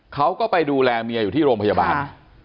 เขาก็ไปดูแลเมียอยู่ที่โรงพยาบาล